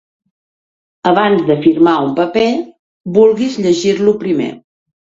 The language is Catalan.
Abans de firmar un paper, vulguis llegir-lo primer.